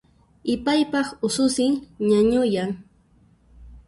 Ipaypaq ususin ñañuyan